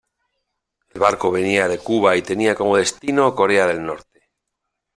El barco venía de Cuba y tenía como destino Corea del Norte.